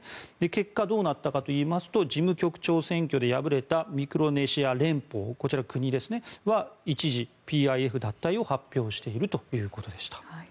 結果、どうなったかといいますと事務局長選挙で敗れたミクロネシア連邦こちら、国ですね一時、ＰＩＦ脱退を発表しているということでした。